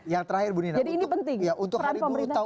jadi ini penting